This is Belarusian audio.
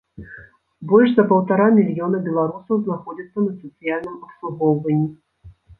Больш за паўтара мільёна беларусаў знаходзяцца на сацыяльным абслугоўванні.